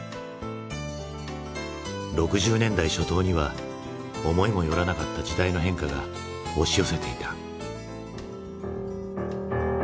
６０年代初頭には思いもよらなかった時代の変化が押し寄せていた。